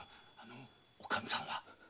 おかみさんは？